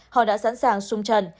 họ đã sẵn sàng sung trần